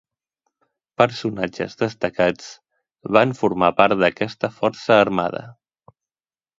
Personatges destacats van formar part d'aquesta força armada.